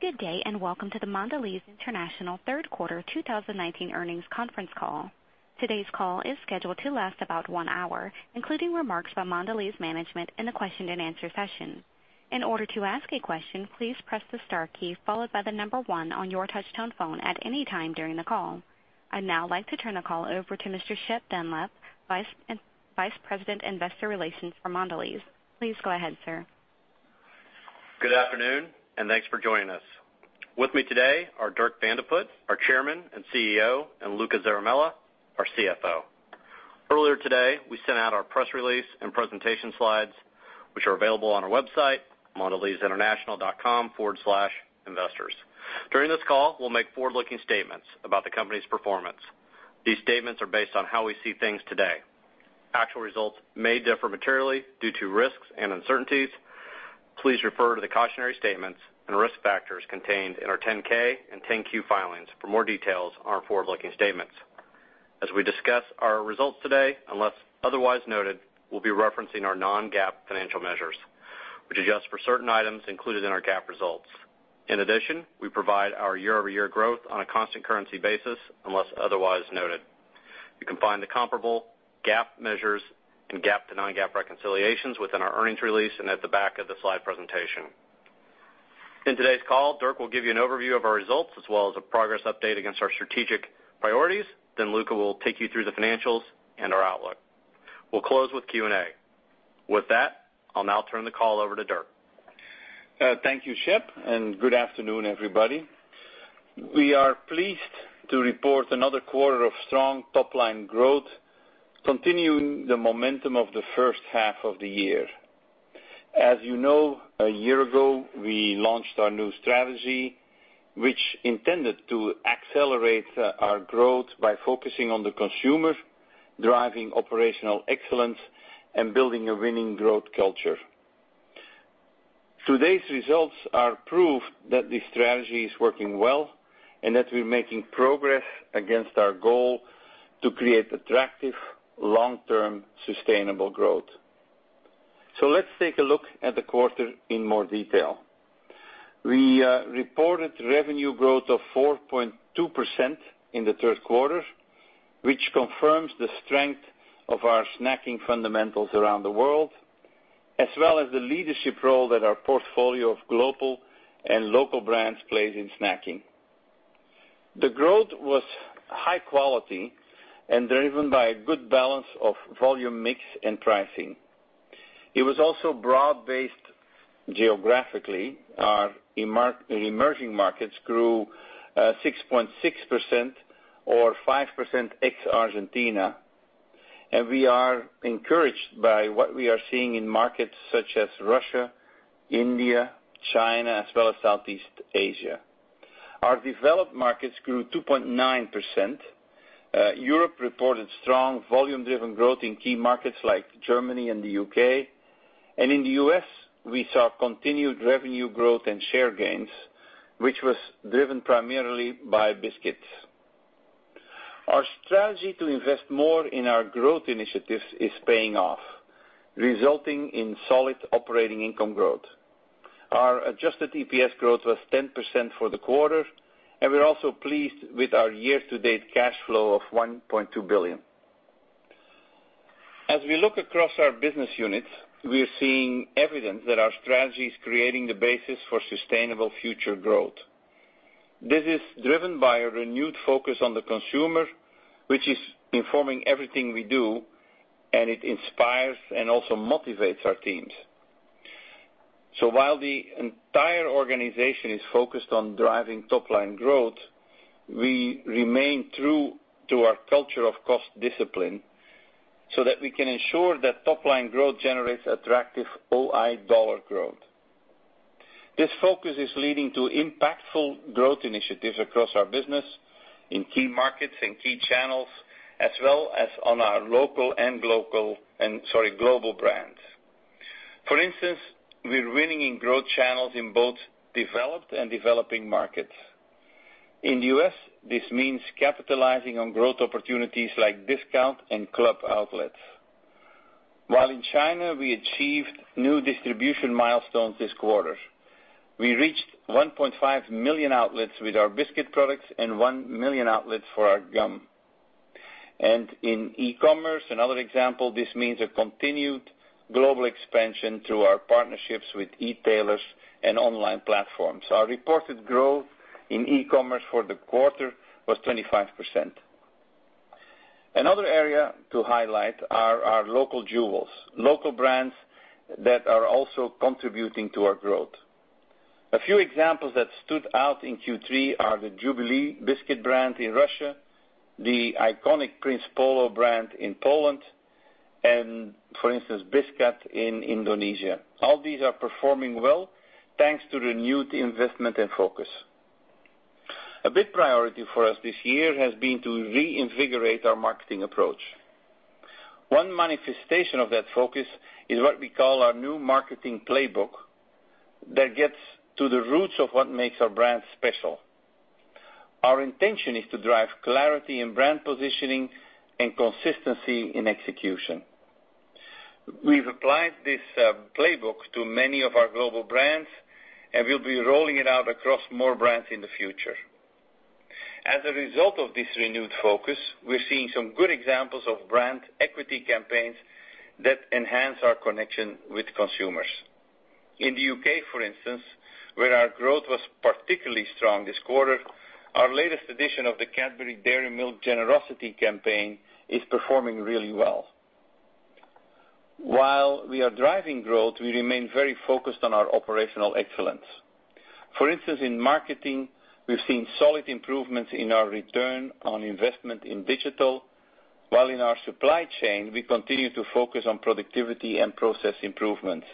Good day, and welcome to the Mondelez International third quarter 2019 earnings conference call. Today's call is scheduled to last about one hour, including remarks by Mondelez management and a question and answer session. In order to ask a question, please press the star key followed by the number one on your touch-tone phone at any time during the call. I'd now like to turn the call over to Mr. Shep Dunlap, Vice President, Investor Relations for Mondelez. Please go ahead, sir. Good afternoon, and thanks for joining us. With me today are Dirk Van de Put, our Chairman and CEO, and Luca Zaramella, our CFO. Earlier today, we sent out our press release and presentation slides, which are available on our website, mondelezinternational.com/investors. During this call, we'll make forward-looking statements about the company's performance. These statements are based on how we see things today. Actual results may differ materially due to risks and uncertainties. Please refer to the cautionary statements and risk factors contained in our 10-K and 10-Q filings for more details on our forward-looking statements. As we discuss our results today, unless otherwise noted, we'll be referencing our non-GAAP financial measures, which adjust for certain items included in our GAAP results. In addition, we provide our year-over-year growth on a constant currency basis, unless otherwise noted. You can find the comparable GAAP measures and GAAP to non-GAAP reconciliations within our earnings release and at the back of the slide presentation. In today's call, Dirk will give you an overview of our results as well as a progress update against our strategic priorities. Luca will take you through the financials and our outlook. We'll close with Q&A. With that, I'll now turn the call over to Dirk. Thank you, Shep. Good afternoon, everybody. We are pleased to report another quarter of strong top-line growth, continuing the momentum of the first half of the year. As you know, a year ago, we launched our new strategy, which intended to accelerate our growth by focusing on the consumer, driving operational excellence, and building a winning growth culture. Today's results are proof that this strategy is working well and that we're making progress against our goal to create attractive, long-term sustainable growth. Let's take a look at the quarter in more detail. We reported revenue growth of 4.2% in the third quarter, which confirms the strength of our snacking fundamentals around the world, as well as the leadership role that our portfolio of global and local brands plays in snacking. The growth was high quality and driven by a good balance of volume mix and pricing. It was also broad-based geographically. Our emerging markets grew 6.6%, or 5% ex Argentina, and we are encouraged by what we are seeing in markets such as Russia, India, China, as well as Southeast Asia. Our developed markets grew 2.9%. Europe reported strong volume-driven growth in key markets like Germany and the U.K. In the U.S., we saw continued revenue growth and share gains, which was driven primarily by biscuits. Our strategy to invest more in our growth initiatives is paying off, resulting in solid operating income growth. Our adjusted EPS growth was 10% for the quarter, and we're also pleased with our year-to-date cash flow of $1.2 billion. As we look across our business units, we are seeing evidence that our strategy is creating the basis for sustainable future growth. This is driven by a renewed focus on the consumer, which is informing everything we do, and it inspires and also motivates our teams. While the entire organization is focused on driving top-line growth, we remain true to our culture of cost discipline so that we can ensure that top-line growth generates attractive OI dollar growth. This focus is leading to impactful growth initiatives across our business in key markets and key channels, as well as on our local and global brands. For instance, we're winning in growth channels in both developed and developing markets. In the U.S., this means capitalizing on growth opportunities like discount and club outlets. While in China, we achieved new distribution milestones this quarter. We reached 1.5 million outlets with our biscuit products and 1 million outlets for our gum. In e-commerce, another example, this means a continued global expansion through our partnerships with e-tailers and online platforms. Our reported growth in e-commerce for the quarter was 25%. Another area to highlight are our local jewels, local brands that are also contributing to our growth. A few examples that stood out in Q3 are the Jubilee biscuit brand in Russia, the iconic Prince Polo brand in Poland, and for instance, Biskuat in Indonesia. All these are performing well thanks to renewed investment and focus. A big priority for us this year has been to reinvigorate our marketing approach. One manifestation of that focus is what we call our new marketing playbook that gets to the roots of what makes our brand special. Our intention is to drive clarity in brand positioning and consistency in execution. We've applied this playbook to many of our global brands, and we'll be rolling it out across more brands in the future. As a result of this renewed focus, we're seeing some good examples of brand equity campaigns that enhance our connection with consumers. In the U.K., for instance, where our growth was particularly strong this quarter, our latest edition of the Cadbury Dairy Milk Generosity campaign is performing really well. While we are driving growth, we remain very focused on our operational excellence. For instance, in marketing, we've seen solid improvements in our ROI in digital, while in our supply chain, we continue to focus on productivity and process improvements.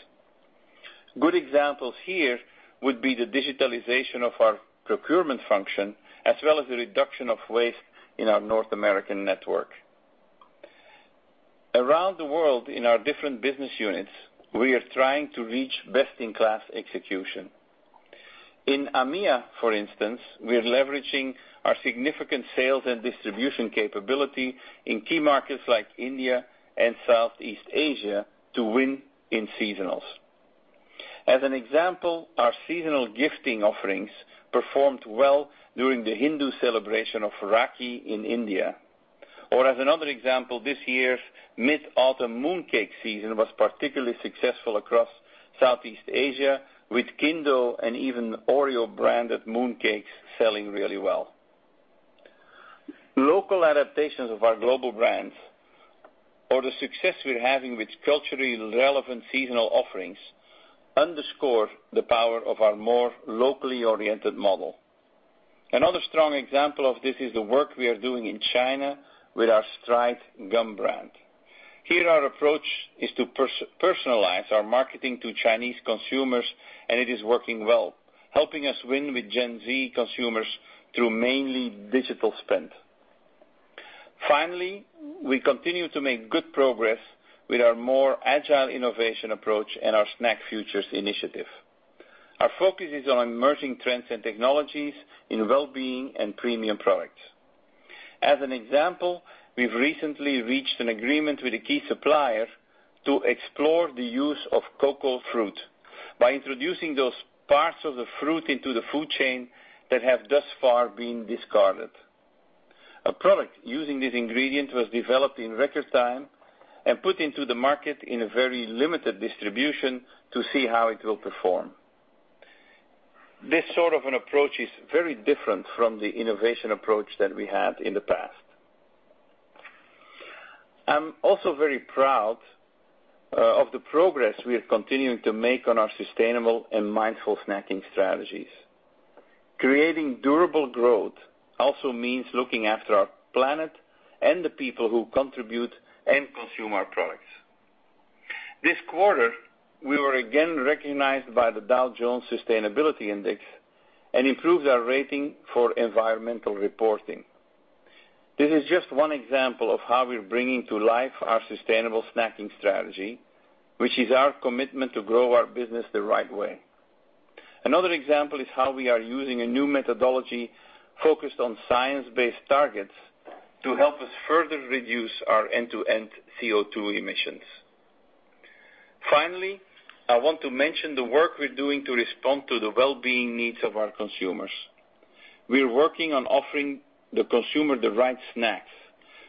Good examples here would be the digitalization of our procurement function, as well as the reduction of waste in our North American network. Around the world in our different business units, we are trying to reach best-in-class execution. In EMEA, for instance, we're leveraging our significant sales and distribution capability in key markets like India and Southeast Asia to win in seasonals. As an example, our seasonal gifting offerings performed well during the Hindu celebration of Rakhi in India. As another example, this year's Mid-Autumn Mooncake season was particularly successful across Southeast Asia, with Kinh Do and even Oreo-branded mooncakes selling really well. Local adaptations of our global brands or the success we're having with culturally relevant seasonal offerings underscore the power of our more locally-oriented model. Another strong example of this is the work we are doing in China with our Stride gum brand. Here, our approach is to personalize our marketing to Chinese consumers, and it is working well, helping us win with Gen Z consumers through mainly digital spend. We continue to make good progress with our more agile innovation approach and our Snack Futures initiative. Our focus is on emerging trends and technologies in wellbeing and premium products. As an example, we've recently reached an agreement with a key supplier to explore the use of coca fruit by introducing those parts of the fruit into the food chain that have thus far been discarded. A product using this ingredient was developed in record time and put into the market in a very limited distribution to see how it will perform. This sort of an approach is very different from the innovation approach that we had in the past. I'm also very proud of the progress we are continuing to make on our sustainable and mindful snacking strategies. Creating durable growth also means looking after our planet and the people who contribute and consume our products. This quarter, we were again recognized by the Dow Jones Sustainability Index and improved our rating for environmental reporting. This is just one example of how we're bringing to life our sustainable snacking strategy, which is our commitment to grow our business the right way. Another example is how we are using a new methodology focused on science-based targets to help us further reduce our end-to-end CO2 emissions. Finally, I want to mention the work we're doing to respond to the wellbeing needs of our consumers. We're working on offering the consumer the right snacks,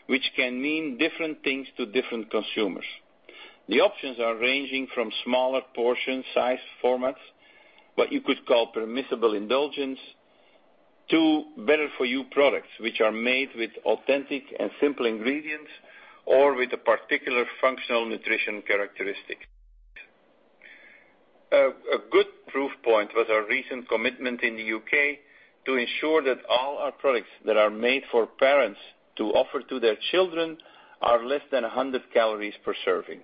which can mean different things to different consumers. The options are ranging from smaller portion size formats, what you could call permissible indulgence, to better for you products, which are made with authentic and simple ingredients or with a particular functional nutrition characteristic. A good proof point was our recent commitment in the U.K. to ensure that all our products that are made for parents to offer to their children are less than 100 calories per serving.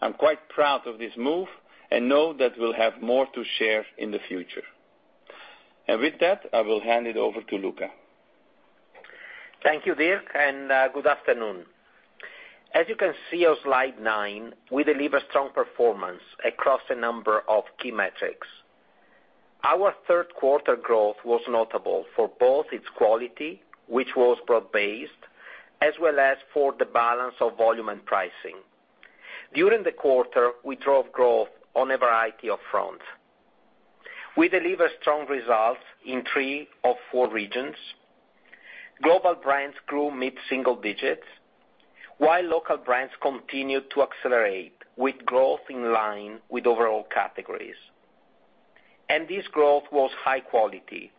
I'm quite proud of this move and know that we'll have more to share in the future. With that, I will hand it over to Luca. Thank you, Dirk, and good afternoon. As you can see on slide nine, we deliver strong performance across a number of key metrics. Our third quarter growth was notable for both its quality, which was broad-based, as well as for the balance of volume and pricing. During the quarter, we drove growth on a variety of fronts. We delivered strong results in three of four regions. Global brands grew mid-single digits, while local brands continued to accelerate with growth in line with overall categories. This growth was high quality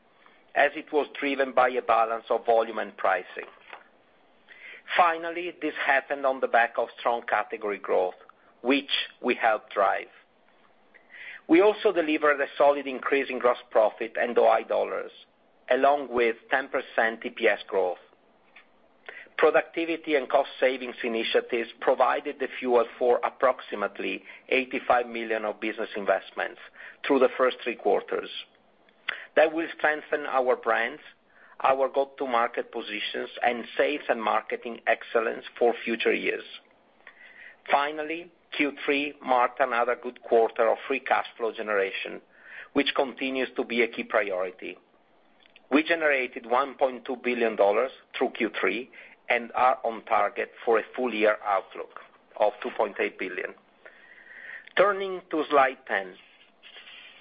as it was driven by a balance of volume and pricing. Finally, this happened on the back of strong category growth, which we helped drive. We also delivered a solid increase in gross profit and OI dollars, along with 10% EPS growth. Productivity and cost savings initiatives provided the fuel for approximately $85 million of business investments through the first three quarters. That will strengthen our brands, our go-to-market positions, and sales and marketing excellence for future years. Finally, Q3 marked another good quarter of free cash flow generation, which continues to be a key priority. We generated $1.2 billion through Q3, and are on target for a full year outlook of $2.8 billion. Turning to slide 10.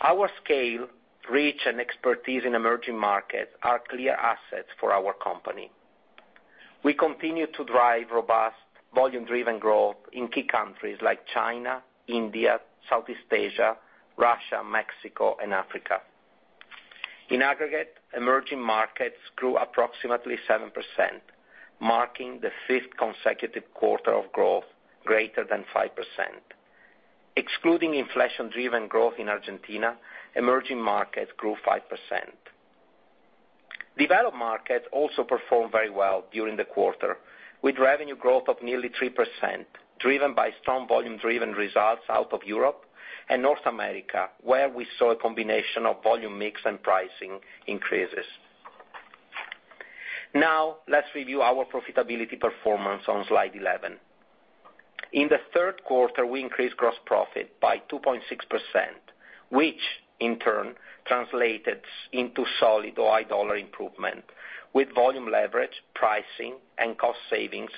Our scale, reach, and expertise in emerging markets are clear assets for our company. We continue to drive robust volume-driven growth in key countries like China, India, Southeast Asia, Russia, Mexico, and Africa. In aggregate, emerging markets grew approximately 7%, marking the fifth consecutive quarter of growth greater than 5%. Excluding inflation-driven growth in Argentina, emerging markets grew 5%. Developed markets also performed very well during the quarter, with revenue growth of nearly 3%, driven by strong volume-driven results out of Europe and North America, where we saw a combination of volume mix and pricing increases. Now, let's review our profitability performance on slide 11. In the third quarter, we increased gross profit by 2.6%, which, in turn, translated into solid OI dollar improvement, with volume leverage, pricing, and cost savings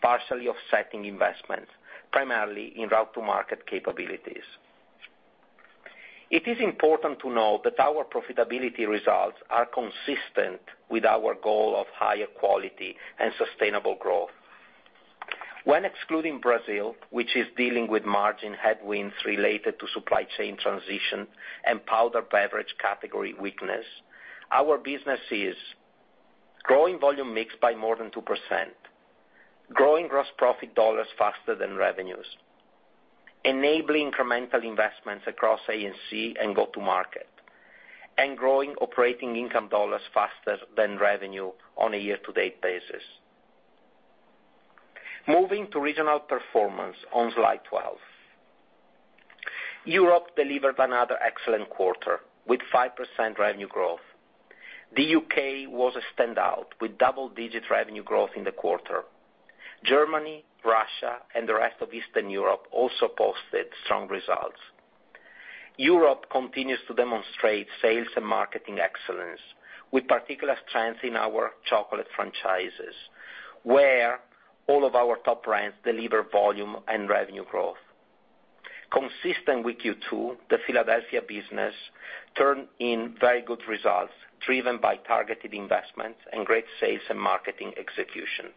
partially offsetting investments, primarily in route to market capabilities. It is important to note that our profitability results are consistent with our goal of higher quality and sustainable growth. When excluding Brazil, which is dealing with margin headwinds related to supply chain transition and powder beverage category weakness, our business is growing volume mix by more than 2%, growing gross profit dollars faster than revenues, enabling incremental investments across A&C and go-to-market, and growing operating income dollars faster than revenue on a year-to-date basis. Moving to regional performance on slide 12. Europe delivered another excellent quarter, with 5% revenue growth. The U.K. was a standout, with double-digit revenue growth in the quarter. Germany, Russia, and the rest of Eastern Europe also posted strong results. Europe continues to demonstrate sales and marketing excellence, with particular strengths in our chocolate franchises, where all of our top brands deliver volume and revenue growth. Consistent with Q2, the Philadelphia business turned in very good results, driven by targeted investments and great sales and marketing execution.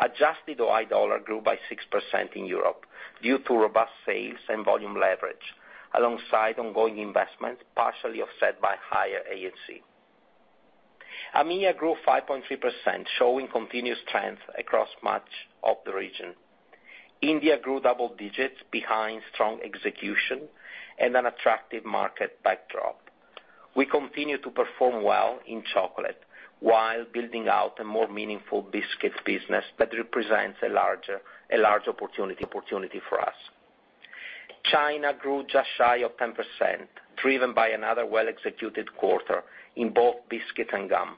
Adjusted OI dollar grew by 6% in Europe due to robust sales and volume leverage, alongside ongoing investment, partially offset by higher A&C. EMEA grew 5.3%, showing continued strength across much of the region. India grew double digits behind strong execution and an attractive market backdrop. We continue to perform well in chocolate while building out a more meaningful biscuit business that represents a large opportunity for us. China grew just shy of 10%, driven by another well-executed quarter in both biscuit and gum.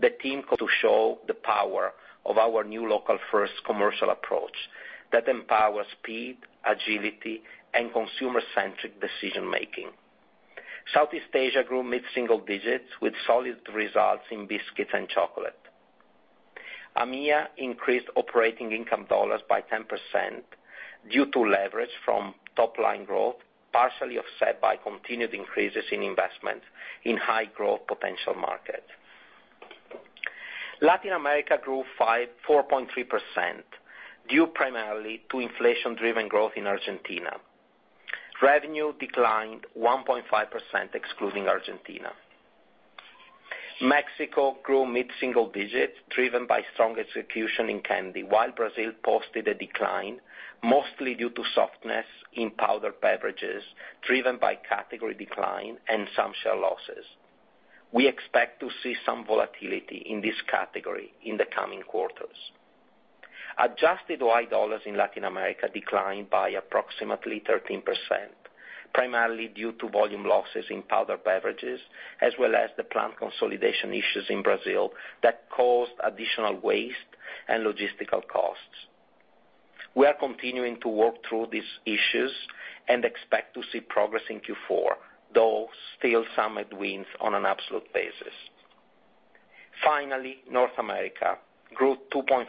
The team continued to show the power of our new local-first commercial approach that empowers speed, agility, and consumer-centric decision-making. Southeast Asia grew mid-single digits with solid results in biscuits and chocolate. EMEA increased operating income dollars by 10% due to leverage from top-line growth, partially offset by continued increases in investment in high growth potential markets. Latin America grew 4.3% due primarily to inflation-driven growth in Argentina. Revenue declined 1.5%, excluding Argentina. Mexico grew mid-single digits, driven by strong execution in candy, while Brazil posted a decline, mostly due to softness in powdered beverages, driven by category decline and some share losses. We expect to see some volatility in this category in the coming quarters. Adjusted OI dollars in Latin America declined by approximately 13%, primarily due to volume losses in powdered beverages, as well as the plant consolidation issues in Brazil that caused additional waste and logistical costs. We are continuing to work through these issues and expect to see progress in Q4, though still some headwinds on an absolute basis. Finally, North America grew 2.5%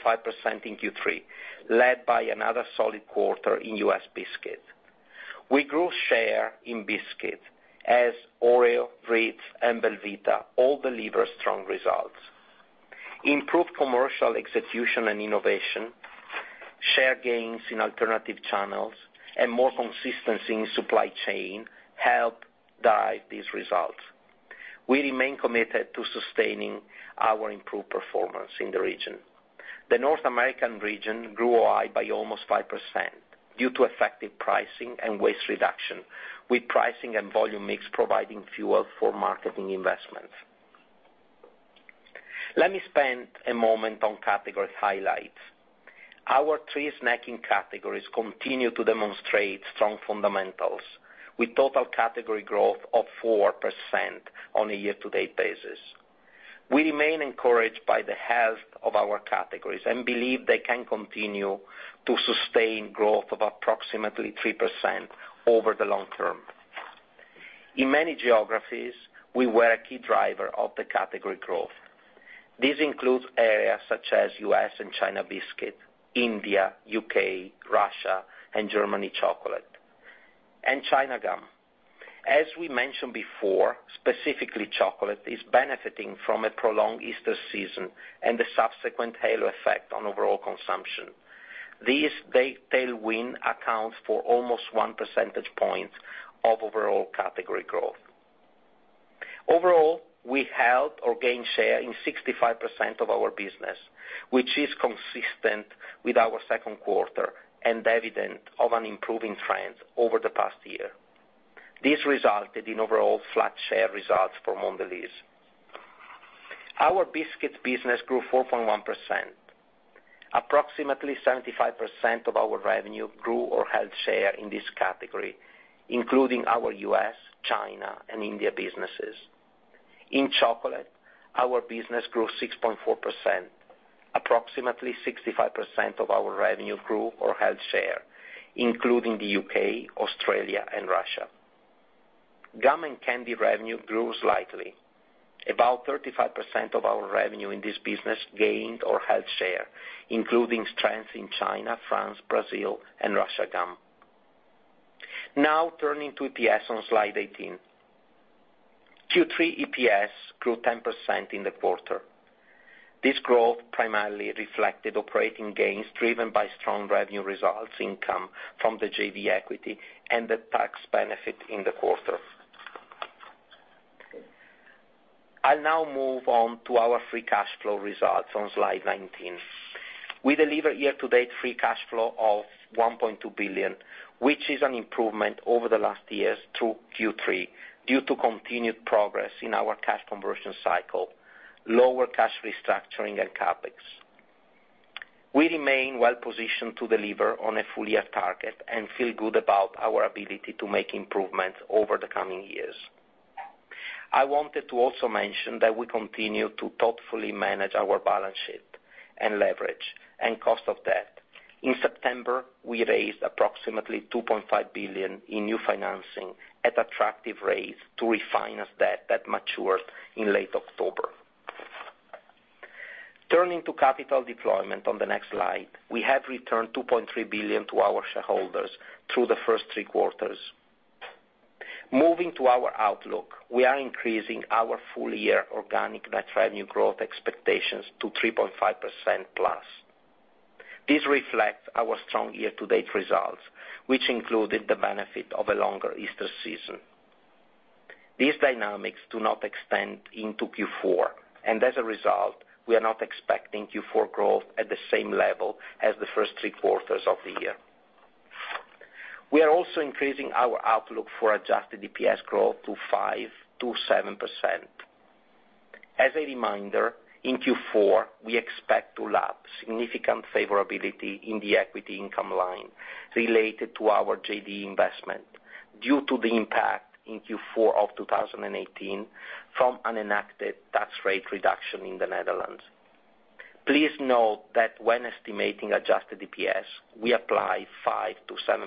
in Q3, led by another solid quarter in U.S. biscuit. We grew share in biscuit as Oreo, Ritz, and belVita all delivered strong results. Improved commercial execution and innovation, share gains in alternative channels, and more consistency in supply chain helped drive these results. We remain committed to sustaining our improved performance in the region. The North American region grew OI by almost 5% due to effective pricing and waste reduction, with pricing and volume mix providing fuel for marketing investments. Let me spend a moment on category highlights. Our three snacking categories continue to demonstrate strong fundamentals, with total category growth of 4% on a year-to-date basis. We remain encouraged by the health of our categories and believe they can continue to sustain growth of approximately 3% over the long term. In many geographies, we were a key driver of the category growth. This includes areas such as U.S. and China biscuit, India, U.K., Russia, and Germany chocolate, and China gum. As we mentioned before, specifically chocolate is benefiting from a prolonged Easter season and the subsequent halo effect on overall consumption. This tailwind accounts for almost one percentage point of overall category growth. Overall, we held or gained share in 65% of our business, which is consistent with our second quarter and evident of an improving trend over the past year. This resulted in overall flat share results for Mondelez. Our biscuits business grew 4.1%. Approximately 75% of our revenue grew or held share in this category, including our U.S., China, and India businesses. In chocolate, our business grew 6.4%. Approximately 65% of our revenue grew or held share, including the U.K., Australia, and Russia. Gum and candy revenue grew slightly. About 35% of our revenue in this business gained or held share, including strengths in China, France, Brazil, and Russia gum. Now turning to EPS on slide 18. Q3 EPS grew 10% in the quarter. This growth primarily reflected operating gains driven by strong revenue results income from the JV equity and the tax benefit in the quarter. I'll now move on to our free cash flow results on slide 19. We delivered year-to-date free cash flow of $1.2 billion, which is an improvement over the last years through Q3 due to continued progress in our cash conversion cycle, lower cash restructuring and CapEx. We remain well positioned to deliver on a full-year target and feel good about our ability to make improvements over the coming years. I wanted to also mention that we continue to thoughtfully manage our balance sheet and leverage and cost of debt. In September, we raised approximately $2.5 billion in new financing at attractive rates to refinance debt that matures in late October. Turning to capital deployment on the next slide, we have returned $2.3 billion to our shareholders through the first three quarters. Moving to our outlook, we are increasing our full-year organic net revenue growth expectations to 3.5% plus. This reflects our strong year-to-date results, which included the benefit of a longer Easter season. These dynamics do not extend into Q4, and as a result, we are not expecting Q4 growth at the same level as the first three quarters of the year. We are also increasing our outlook for adjusted EPS growth to 5%-7%. As a reminder, in Q4, we expect to lap significant favorability in the equity income line related to our JV investment due to the impact in Q4 of 2018 from an enacted tax rate reduction in the Netherlands. Please note that when estimating adjusted EPS, we apply 5% to 7%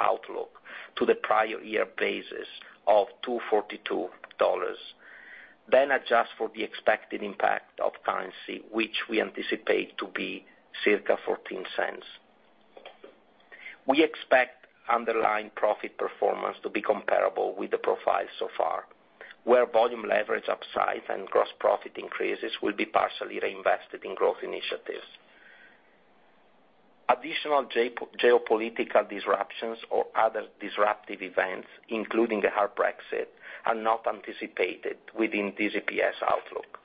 outlook to the prior year basis of $242, then adjust for the expected impact of currency, which we anticipate to be circa $0.14. We expect underlying profit performance to be comparable with the profile so far, where volume leverage upside and gross profit increases will be partially reinvested in growth initiatives. Additional geopolitical disruptions or other disruptive events, including a hard Brexit, are not anticipated within this EPS outlook.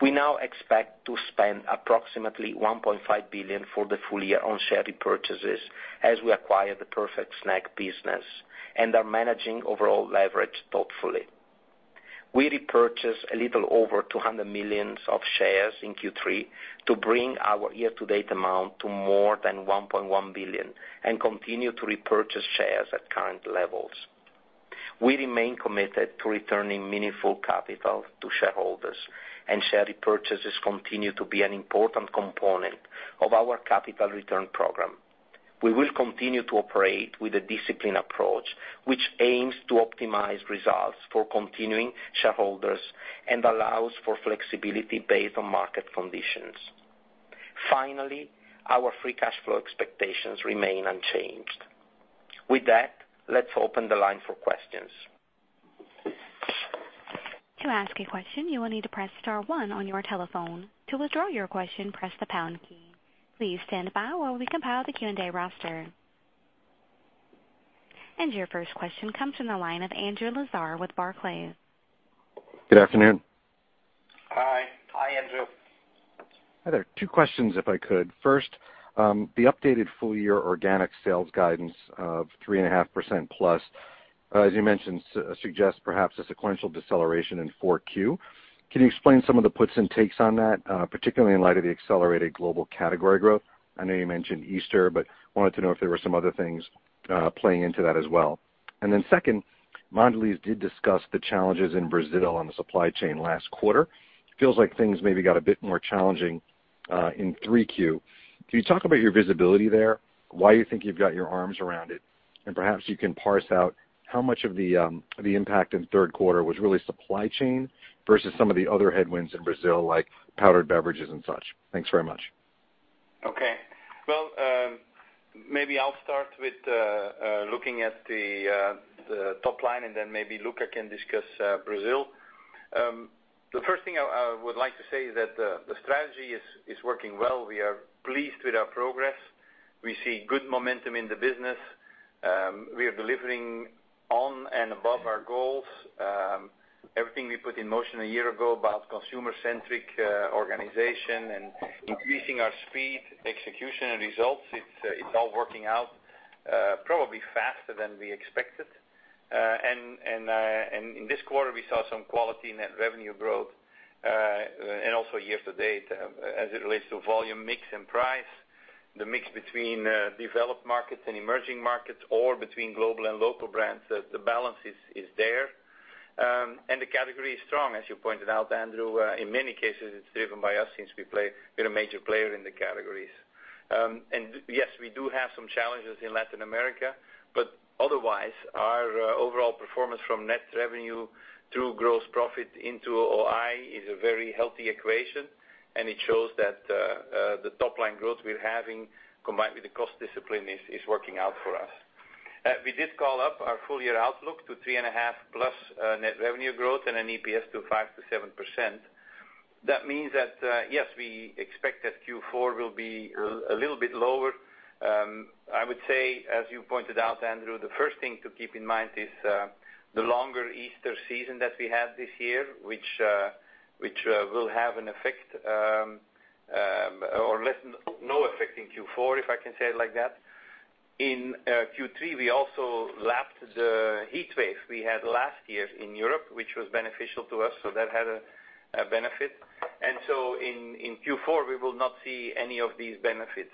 We now expect to spend approximately $1.5 billion for the full year on share repurchases as we acquire the Perfect Snacks business and are managing overall leverage thoughtfully. We repurchased a little over 200 millions of shares in Q3 to bring our year-to-date amount to more than $1.1 billion and continue to repurchase shares at current levels. We remain committed to returning meaningful capital to shareholders, and share repurchases continue to be an important component of our capital return program. We will continue to operate with a disciplined approach, which aims to optimize results for continuing shareholders and allows for flexibility based on market conditions. Finally, our free cash flow expectations remain unchanged. With that, let's open the line for questions. To ask a question, you will need to press star one on your telephone. To withdraw your question, press the pound key. Please stand by while we compile the Q&A roster. Your first question comes from the line of Andrew Lazar with Barclays. Good afternoon. Hi. Hi, Andrew. Hi there. Two questions, if I could. First, the updated full-year organic sales guidance of 3.5% plus, as you mentioned, suggests perhaps a sequential deceleration in 4Q. Can you explain some of the puts and takes on that, particularly in light of the accelerated global category growth? Wanted to know if there were some other things playing into that as well. Second, Mondelez did discuss the challenges in Brazil on the supply chain last quarter. It feels like things maybe got a bit more challenging in 3Q. Can you talk about your visibility there, why you think you've got your arms around it, and perhaps you can parse out how much of the impact in the third quarter was really supply chain versus some of the other headwinds in Brazil, like powdered beverages and such? Thanks very much. Okay. Well, maybe I'll start with looking at the top line and then maybe Luca can discuss Brazil. The first thing I would like to say is that the strategy is working well. We are pleased with our progress. We see good momentum in the business. We are delivering on and above our goals. Everything we put in motion a year ago about consumer-centric organization and increasing our speed, execution, and results, it's all working out, probably faster than we expected. In this quarter, we saw some quality net revenue growth, and also year-to-date, as it relates to volume mix and price. The mix between developed markets and emerging markets, or between global and local brands, the balance is there. The category is strong, as you pointed out, Andrew. In many cases, it's driven by us since we're a major player in the categories. Yes, we do have some challenges in Latin America, but otherwise, our overall performance from net revenue through gross profit into OI is a very healthy equation, and it shows that the top-line growth we're having, combined with the cost discipline, is working out for us. We did call up our full-year outlook to 3.5+ net revenue growth and an EPS to 5%-7%. Means that, yes, we expect that Q4 will be a little bit lower. I would say, as you pointed out, Andrew, the first thing to keep in mind is the longer Easter season that we had this year, which will have an effect, or no effect in Q4, if I can say it like that. In Q3, we also lapped the heatwave we had last year in Europe, which was beneficial to us, so that had a benefit. In Q4, we will not see any of these benefits.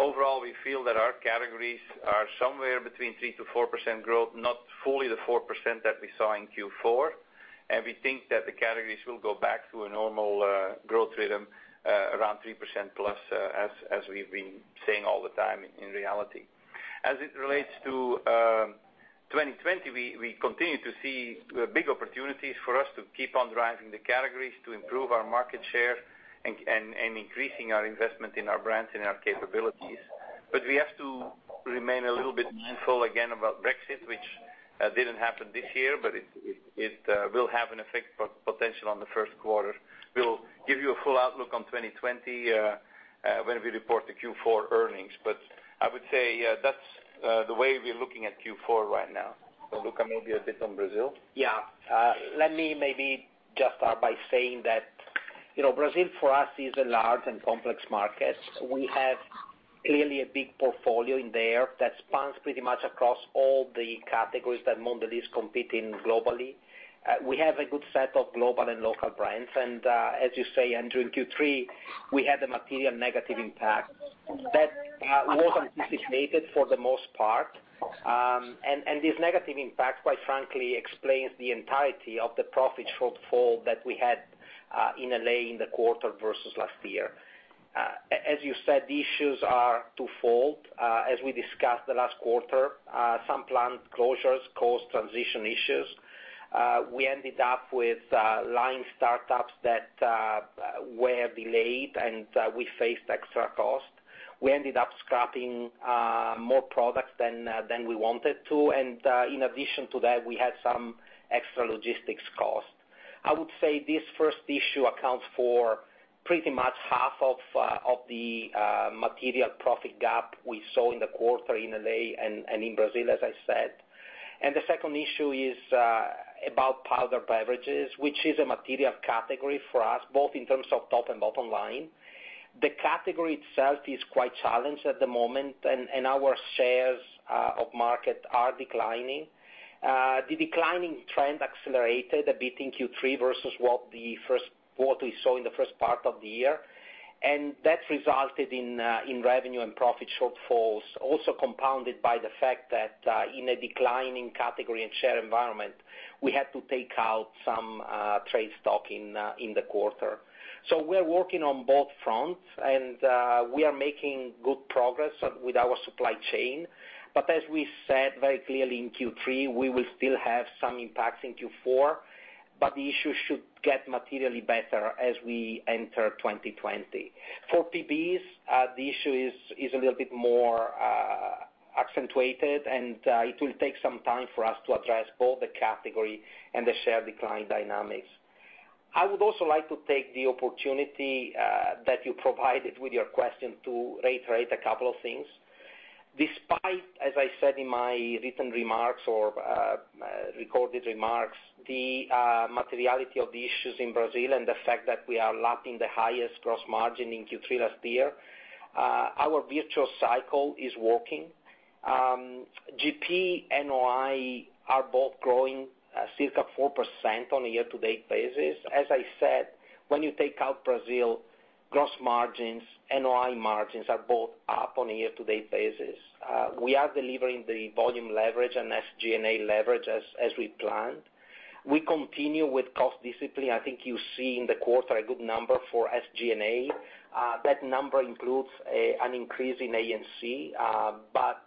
Overall, we feel that our categories are somewhere between 3%-4% growth, not fully the 4% that we saw in Q4. We think that the categories will go back to a normal growth rhythm around 3%-plus, as we've been saying all the time in reality. As it relates to 2020, we continue to see big opportunities for us to keep on driving the categories to improve our market share and increasing our investment in our brands and our capabilities. We have to remain a little bit mindful again about Brexit, which didn't happen this year, but it will have an effect potential on the first quarter. We'll give you a full outlook on 2020 when we report the Q4 earnings. I would say that's the way we are looking at Q4 right now. Luca, maybe a bit on Brazil. Yeah. Let me maybe just start by saying that Brazil for us is a large and complex market. We have clearly a big portfolio in there that spans pretty much across all the categories that Mondelez compete in globally. We have a good set of global and local brands. As you say, Andrew, in Q3, we had a material negative impact that wasn't anticipated for the most part. This negative impact, quite frankly, explains the entirety of the profit shortfall that we had in L.A. in the quarter versus last year. As you said, the issues are twofold. As we discussed the last quarter, some plant closures caused transition issues. We ended up with line startups that were delayed, and we faced extra cost. We ended up scrapping more products than we wanted to, and in addition to that, we had some extra logistics cost. I would say this first issue accounts for pretty much half of the material profit gap we saw in the quarter in L.A. and in Brazil, as I said. The second issue is about powdered beverages, which is a material category for us, both in terms of top and bottom line. The category itself is quite challenged at the moment, and our shares of market are declining. The declining trend accelerated a bit in Q3 versus what we saw in the first part of the year, and that resulted in revenue and profit shortfalls, also compounded by the fact that in a declining category and share environment, we had to take out some trade stock in the quarter. We are working on both fronts and we are making good progress with our supply chain. As we said very clearly in Q3, we will still have some impacts in Q4, but the issue should get materially better as we enter 2020. For PB's, the issue is a little bit more accentuated, and it will take some time for us to address both the category and the share decline dynamics. I would also like to take the opportunity that you provided with your question to reiterate a couple of things. Despite, as I said in my written remarks or recorded remarks, the materiality of the issues in Brazil and the fact that we are lapping the highest gross margin in Q3 last year, our virtual cycle is working. GP, NOI are both growing circa 4% on a year-to-date basis. As I said, when you take out Brazil, gross margins, NOI margins are both up on a year-to-date basis. We are delivering the volume leverage and SG&A leverage as we planned. We continue with cost discipline. I think you see in the quarter a good number for SG&A. That number includes an increase in A&C, but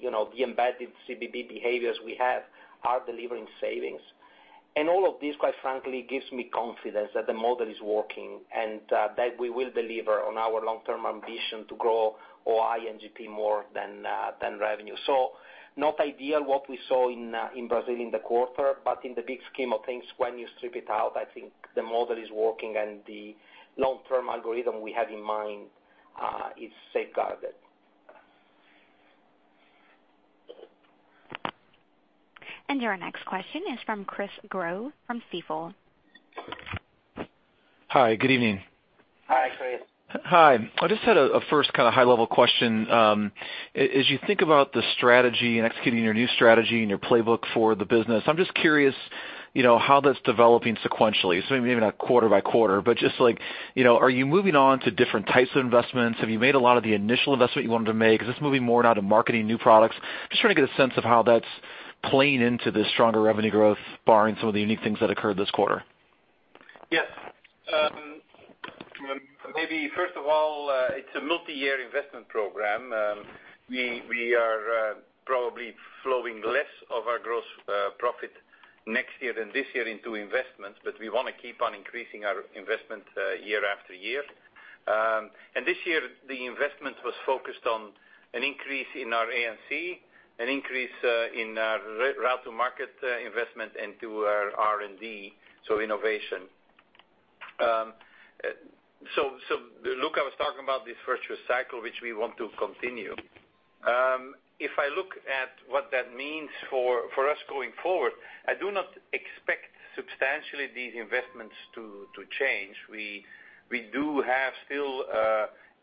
the embedded CBB behaviors we have are delivering savings. All of this, quite frankly, gives me confidence that the model is working, and that we will deliver on our long-term ambition to grow OI and GP more than revenue. Not ideal what we saw in Brazil in the quarter, but in the big scheme of things, when you strip it out, I think the model is working and the long-term algorithm we have in mind is safeguarded. Your next question is from Chris Growe from Stifel. Hi, good evening. Hi, Chris. Hi. I just had a first kind of high-level question. As you think about the strategy and executing your new strategy and your playbook for the business, I'm just curious, how that's developing sequentially. Maybe not quarter by quarter, but just are you moving on to different types of investments? Have you made a lot of the initial investment you wanted to make? Is this moving more now to marketing new products? Just trying to get a sense of how that's playing into the stronger revenue growth, barring some of the unique things that occurred this quarter. Yes. Maybe first of all, it's a multi-year investment program. We are probably flowing less of our gross profit next year than this year into investments. We want to keep on increasing our investment year after year. This year, the investment was focused on an increase in our A&C, an increase in our route to market investment into our R&D, so innovation. Luca was talking about this virtuous cycle, which we want to continue. If I look at what that means for us going forward, I do not expect substantially these investments to change. We do have still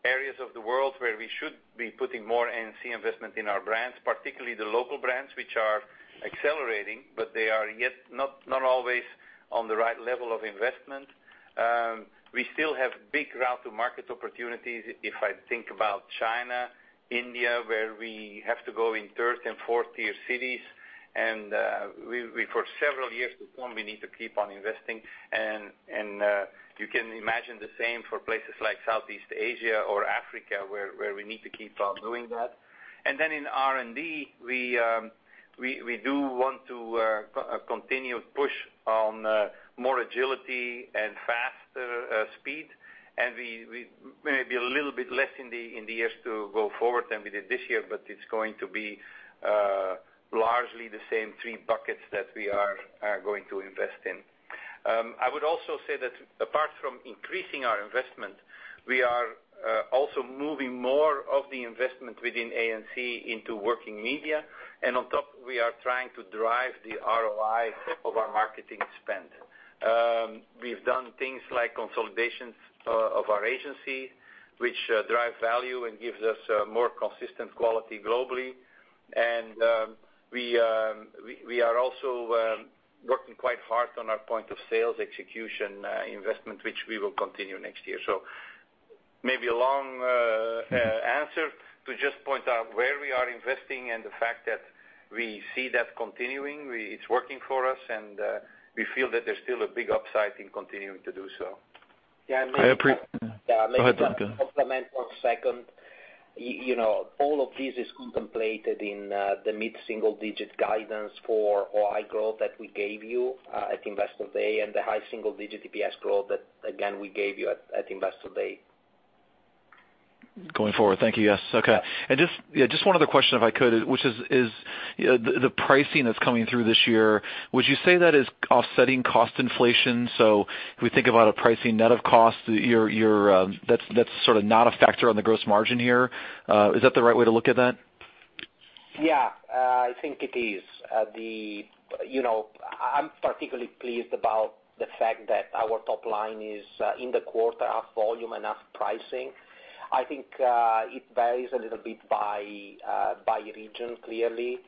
areas of the world where we should be putting more A&C investment in our brands, particularly the local brands, which are accelerating, but they are yet not always on the right level of investment. We still have big route to market opportunities. If I think about China, India, where we have to go in 3rd and 4th tier cities, and for several years to come, we need to keep on investing. You can imagine the same for places like Southeast Asia or Africa, where we need to keep on doing that. In R&D, we do want to continue push on more agility and faster speed, and maybe a little bit less in the years to go forward than we did this year, it's going to be largely the same three buckets that we are going to invest in. I would also say that apart from increasing our investment, we are also moving more of the investment within A&C into working media. On top, we are trying to drive the ROI of our marketing spend. We've done things like consolidations of our agency, which drive value and gives us more consistent quality globally. We are also working quite hard on our point of sales execution investment, which we will continue next year. Maybe a long answer to just point out where we are investing and the fact that we see that continuing. It's working for us, and we feel that there's still a big upside in continuing to do so. Yeah, go ahead. Yeah, maybe to complement one second. All of this is contemplated in the mid-single digit guidance for OI growth that we gave you at Investor Day and the high single digit EPS growth that, again, we gave you at Investor Day. Going forward. Thank you, yes. Okay. Just one other question, if I could, which is the pricing that's coming through this year, would you say that is offsetting cost inflation? If we think about a pricing net of cost, that's sort of not a factor on the gross margin here. Is that the right way to look at that? Yeah. I think it is. I'm particularly pleased about the fact that our top line is in the quarter of volume and of pricing. It varies a little bit by region, clearly.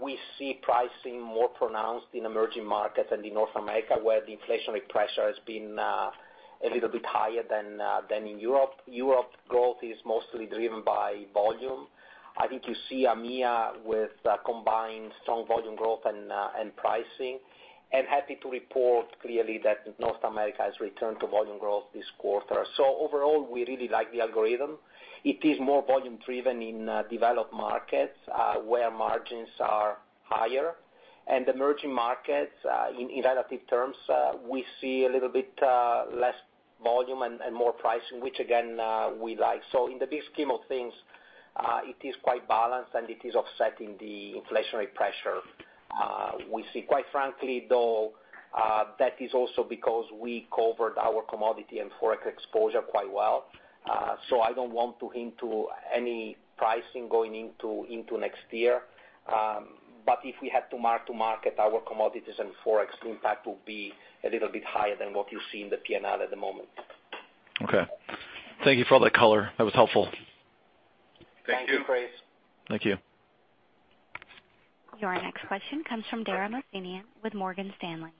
We see pricing more pronounced in emerging markets than in North America, where the inflationary pressure has been a little bit higher than in Europe. Europe growth is mostly driven by volume. You see EMEA with combined strong volume growth and pricing, and happy to report clearly that North America has returned to volume growth this quarter. Overall, we really like the algorithm. It is more volume driven in developed markets, where margins are higher. Emerging markets, in relative terms, we see a little bit less volume and more pricing, which again, we like. In the big scheme of things, it is quite balanced, and it is offsetting the inflationary pressure. We see, quite frankly, though, that is also because we covered our commodity and Forex exposure quite well. I don't want to hint to any pricing going into next year. If we had to mark to market our commodities and Forex, the impact will be a little bit higher than what you see in the P&L at the moment. Okay. Thank you for all that color. That was helpful. Thank you. Thank you, Chris. Thank you. Your next question comes from Dara Mohsenian with Morgan Stanley.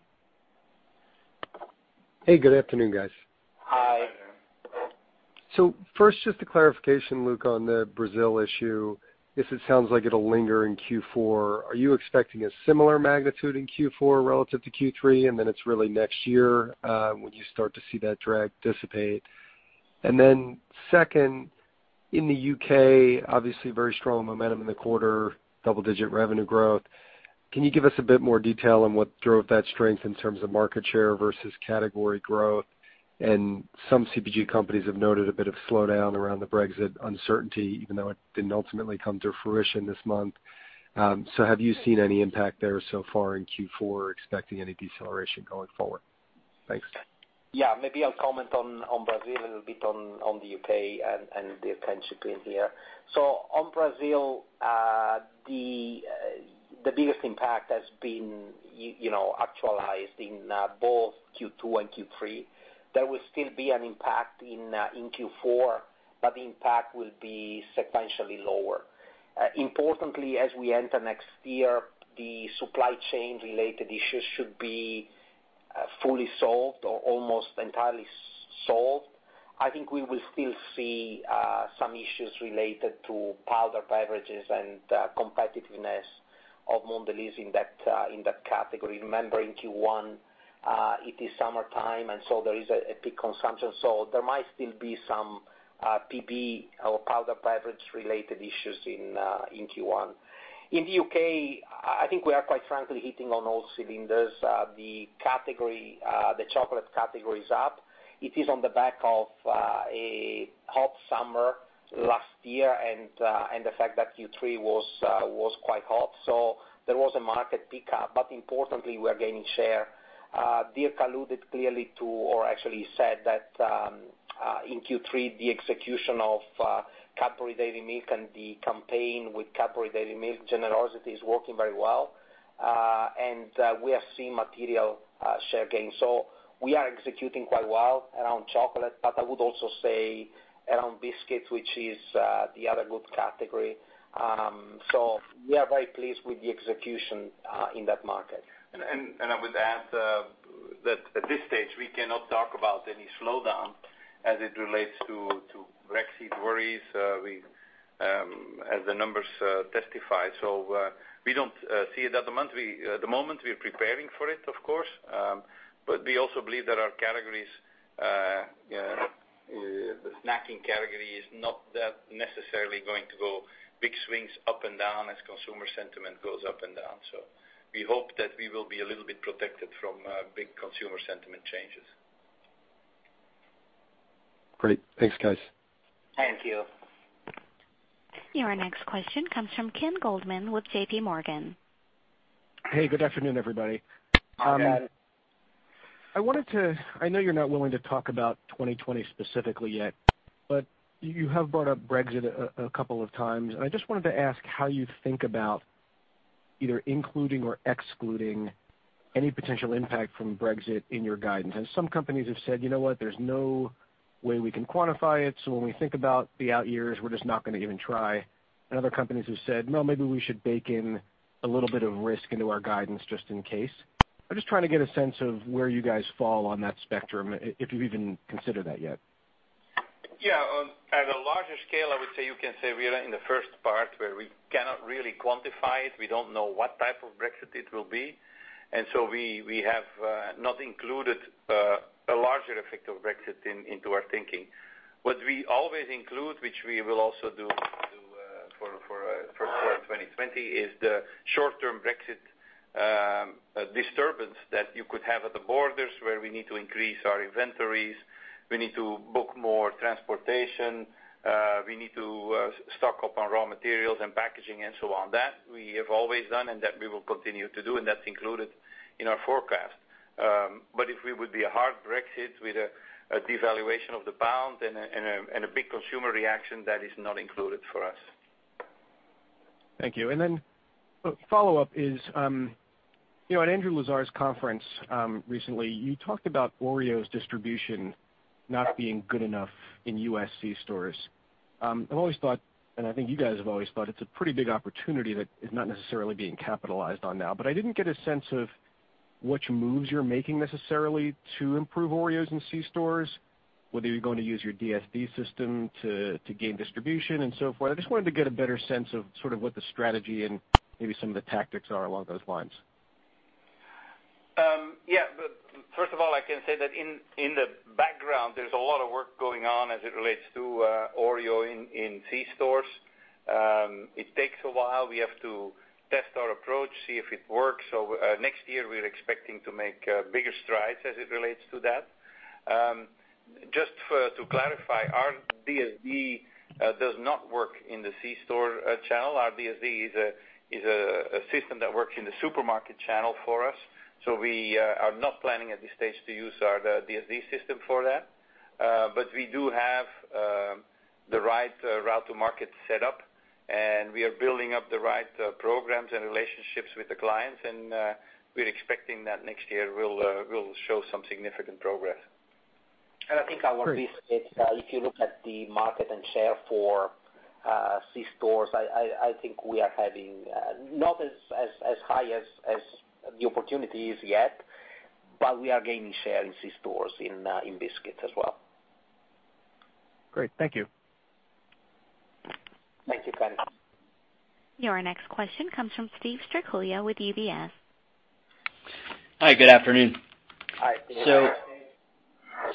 Hey, good afternoon, guys. Hi. Hi, Dara. First, just a clarification, Luca, on the Brazil issue. If it sounds like it'll linger in Q4, are you expecting a similar magnitude in Q4 relative to Q3, it's really next year, when you start to see that drag dissipate? Second, in the U.K., obviously very strong momentum in the quarter, double-digit revenue growth. Can you give us a bit more detail on what drove that strength in terms of market share versus category growth? Some CPG companies have noted a bit of slowdown around the Brexit uncertainty, even though it didn't ultimately come to fruition this month. Have you seen any impact there so far in Q4 or expecting any deceleration going forward? Thanks. Maybe I'll comment on Brazil a little bit, on the U.K. and the potential in here. On Brazil, the biggest impact has been actualized in both Q2 and Q3. There will still be an impact in Q4, but the impact will be sequentially lower. Importantly, as we enter next year, the supply chain-related issues should be fully solved or almost entirely solved. I think we will still see some issues related to powder beverages and competitiveness of Mondelez in that category. Remember, in Q1, it is summertime, and so there is a peak consumption. There might still be some PB or powder beverage related issues in Q1. In the U.K., I think we are, quite frankly, hitting on all cylinders. The chocolate category is up. It is on the back of a hot summer last year and the fact that Q3 was quite hot. There was a market pickup. Importantly, we are gaining share. Dirk alluded clearly to or actually said that, in Q3, the execution of Cadbury Dairy Milk and the campaign with Cadbury Dairy Milk Generosity is working very well. We are seeing material share gains. We are executing quite well around chocolate, but I would also say around biscuits, which is the other good category. We are very pleased with the execution in that market. I would add that at this stage, we cannot talk about any slowdown as it relates to Brexit worries, as the numbers testify. We don't see it at the moment. We're preparing for it, of course, but we also believe there are categories, the snacking category is not that necessarily going to go big swings up and down as consumer sentiment goes up and down. We hope that we will be a little bit protected from big consumer sentiment changes. Great. Thanks, guys. Thank you. Your next question comes from Ken Goldman with JPMorgan. Hey, good afternoon, everybody. Hi. Hi. I know you're not willing to talk about 2020 specifically yet, but you have brought up Brexit a couple of times. I just wanted to ask how you think about either including or excluding any potential impact from Brexit in your guidance. As some companies have said, "You know what? There's no way we can quantify it. When we think about the out years, we're just not going to even try." Other companies have said, "No, maybe we should bake in a little bit of risk into our guidance just in case." I'm just trying to get a sense of where you guys fall on that spectrum, if you've even considered that yet. Yeah. On a larger scale, I would say you can say we are in the first part where we cannot really quantify it. We don't know what type of Brexit it will be. So we have not included a larger effect of Brexit into our thinking. What we always include, which we will also do for the fourth quarter of 2020, is the short-term Brexit disturbance that you could have at the borders where we need to increase our inventories, we need to book more transportation, we need to stock up on raw materials and packaging and so on. That, we have always done, and that we will continue to do, and that's included in our forecast. If we would be a hard Brexit with a devaluation of the pound and a big consumer reaction, that is not included for us. Thank you. A follow-up is, at Andrew Lazar's conference recently, you talked about Oreo's distribution not being good enough in U.S. C stores. I've always thought, and I think you guys have always thought it's a pretty big opportunity that is not necessarily being capitalized on now. I didn't get a sense of which moves you're making necessarily to improve Oreos in C stores, whether you're going to use your DSD system to gain distribution and so forth. I just wanted to get a better sense of sort of what the strategy and maybe some of the tactics are along those lines. Yeah. First of all, I can say that in the background, there's a lot of work going on as it relates to Oreo in C stores. It takes a while. We have to test our approach, see if it works. Next year, we're expecting to make bigger strides as it relates to that. Just to clarify, our DSD does not work in the C store channel. Our DSD is a system that works in the supermarket channel for us. We are not planning at this stage to use our DSD system for that. We do have the right route to market set up. We are building up the right programs and relationships with the clients, and we're expecting that next year will show some significant progress. I think our biscuits, if you look at the market and share for C stores, I think we are having not as high as the opportunity is yet, but we are gaining share in C stores in biscuits as well. Great. Thank you. Thank you, Ken. Your next question comes from Steven Strycula with UBS. Hi, good afternoon. Hi, Steven.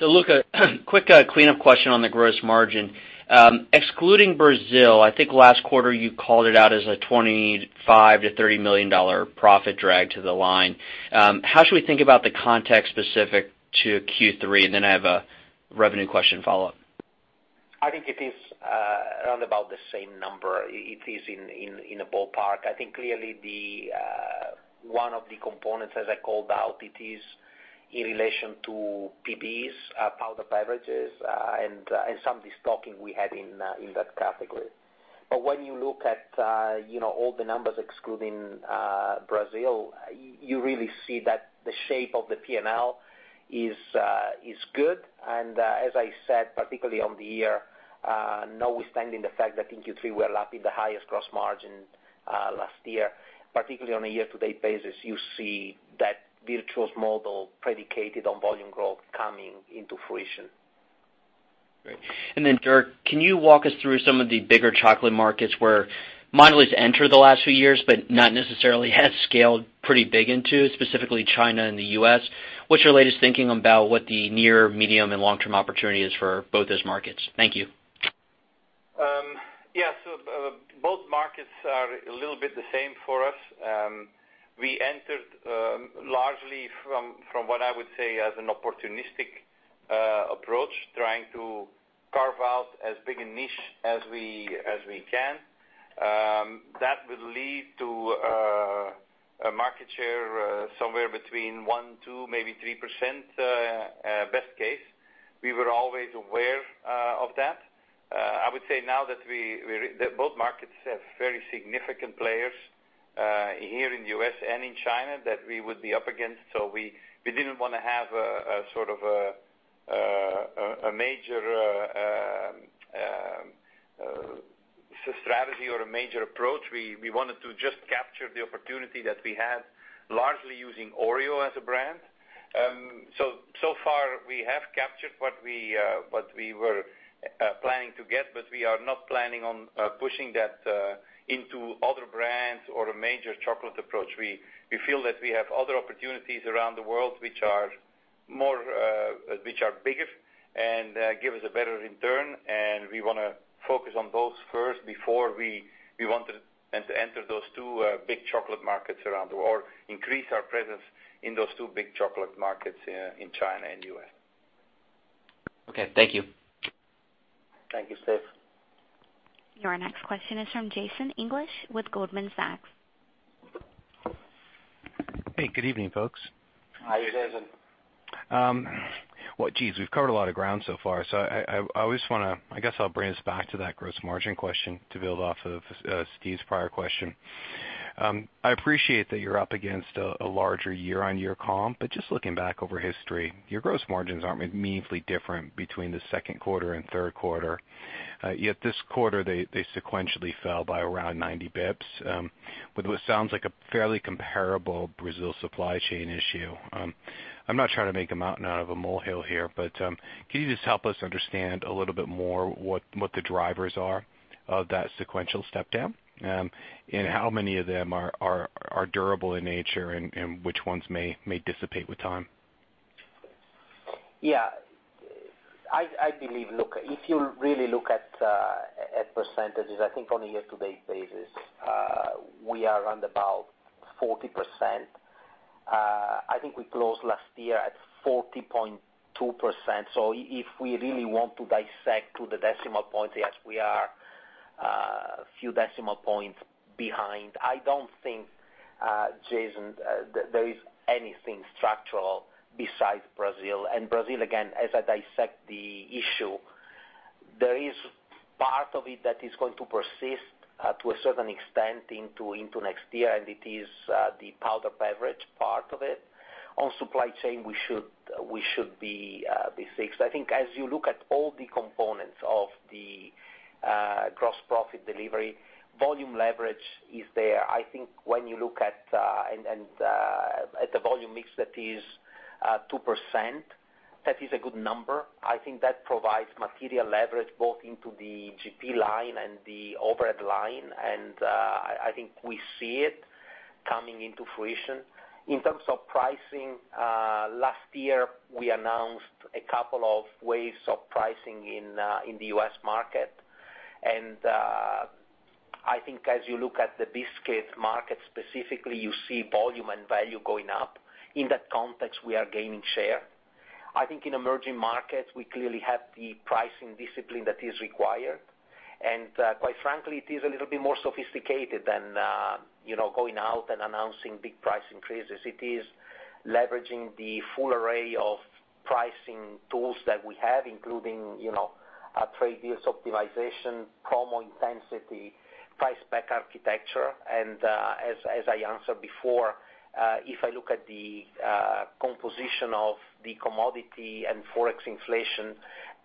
Luca, quick cleanup question on the gross margin. Excluding Brazil, I think last quarter you called it out as a $25 million to $30 million profit drag to the line. How should we think about the context specific to Q3? Then I have a revenue question follow-up. I think it is around about the same number. It is in the ballpark. I think clearly one of the components, as I called out, it is in relation to PBs, powder beverages, and some destocking we had in that category. When you look at all the numbers excluding Brazil, you really see that the shape of the P&L is good. As I said, particularly on the year, notwithstanding the fact that in Q3, we are lapping the highest gross margin last year, particularly on a year-to-date basis, you see that virtuous model predicated on volume growth coming into fruition. Great. Dirk, can you walk us through some of the bigger chocolate markets where Mondelez entered the last few years, but not necessarily has scaled pretty big into, specifically China and the U.S. What's your latest thinking about what the near, medium, and long-term opportunity is for both those markets? Thank you. Yeah. Both markets are a little bit the same for us. We entered largely from what I would say as an opportunistic approach, trying to carve out as big a niche as we can. That will lead to a market share somewhere between 1%, 2%, maybe 3% best case. We were always aware of that. I would say now that both markets have very significant players, here in the U.S. and in China, that we would be up against. We didn't want to have a major strategy or a major approach. We wanted to just capture the opportunity that we had, largely using Oreo as a brand. Far we have captured what we were planning to get, but we are not planning on pushing that into other brands or a major chocolate approach. We feel that we have other opportunities around the world which are bigger and give us a better return, and we want to focus on those first before we want to enter those two big chocolate markets around the world or increase our presence in those two big chocolate markets in China and U.S. Okay, thank you. Thank you, Steve. Your next question is from Jason English with Goldman Sachs. Hey, good evening, folks. Hi, Jason. Geez, we've covered a lot of ground so far, I guess I'll bring us back to that gross margin question to build off of Steve's prior question. I appreciate that you're up against a larger year-on-year comp, just looking back over history, your gross margins aren't meaningfully different between the second quarter and third quarter. Yet this quarter, they sequentially fell by around 90 basis points with what sounds like a fairly comparable Brazil supply chain issue. I'm not trying to make a mountain out of a molehill here, can you just help us understand a little bit more what the drivers are of that sequential step down? How many of them are durable in nature and which ones may dissipate with time? Yeah. I believe, look, if you really look at percentages, I think on a year-to-date basis, we are around about 40%. I think we closed last year at 40.2%. If we really want to dissect to the decimal point, yes, we are a few decimal points behind. I don't think, Jason, there is anything structural besides Brazil. Brazil, again, as I dissect the issue, there is part of it that is going to persist to a certain extent into next year, and it is the powder beverage part of it. On supply chain, we should be fixed. I think as you look at all the components of the gross profit delivery, volume leverage is there. I think when you look at the volume mix that is 2%, that is a good number. I think that provides material leverage both into the GP line and the overhead line. I think we see it coming into fruition. In terms of pricing, last year we announced a couple of waves of pricing in the U.S. market. I think as you look at the biscuit market specifically, you see volume and value going up. In that context, we are gaining share. I think in emerging markets, we clearly have the pricing discipline that is required. Quite frankly, it is a little bit more sophisticated than going out and announcing big price increases. It is leveraging the full array of pricing tools that we have, including trade deals optimization, promo intensity, price spec architecture. As I answered before, if I look at the composition of the commodity and Forex inflation